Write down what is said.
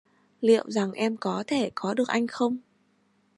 Liệu rằng em có thể có được anh không